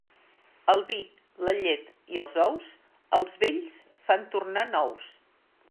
El vi, la llet i els ous els vells fan tornar nous.